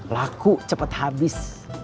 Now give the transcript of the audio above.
laku cepat habis